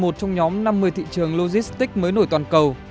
trong nhóm năm mươi thị trường logistics mới nổi toàn cầu